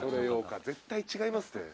絶対違いますって。